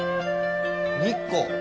日光？